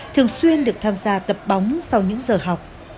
thường xuyên được tham gia tập bóng sau những giờ học